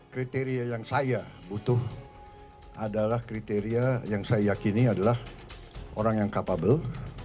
kriteria yang saya butuh adalah kriteria yang saya yakini adalah orang yang capable